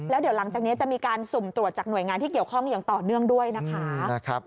แล้วเดี๋ยวหลังจากนี้จะมีการสุ่มตรวจจากหน่วยงานที่เกี่ยวข้องอย่างต่อเนื่องด้วยนะคะ